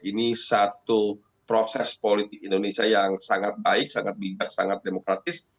ini satu proses politik indonesia yang sangat baik sangat bijak sangat demokratis